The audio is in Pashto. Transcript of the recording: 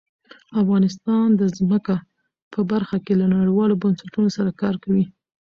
افغانستان د ځمکه په برخه کې له نړیوالو بنسټونو سره کار کوي.